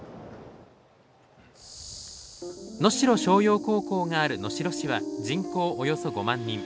能代松陽高校がある能代市は人口およそ５万人。